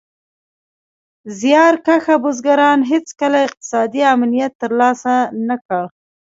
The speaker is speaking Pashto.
زیار کښه بزګران هېڅکله اقتصادي امنیت تر لاسه نه کړ.